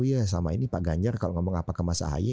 ya sama ini pak ganjar kalau ngomong apa ke mas ahye